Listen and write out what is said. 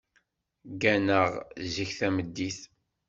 Gganeɣ zik tameddit.